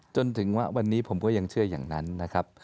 จนถึงวันนี้ผมก็ยังเชื่ออย่างนั้นนะครับ